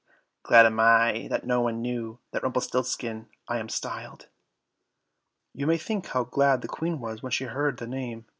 glad am I that no one knew That Rumpelstiltskin I am styled." You may think how glad the Queen was when she heard the name!